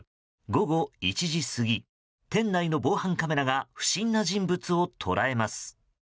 午後１時過ぎ店内の防犯カメラが不審な人物を捉えます。